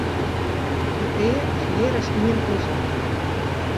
In pear is mear as ien plus ien.